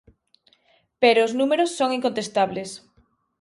Pero os números son incontestables.